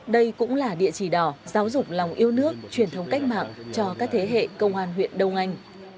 đây cũng là địa chỉ đỏ giáo dục lòng yêu nước truyền thống cách mạng cho các thế hệ công an huyện đông anh